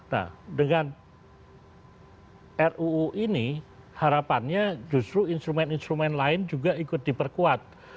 nah dengan ruu ini harapannya justru instrumen instrumen lain juga ikut diperkuat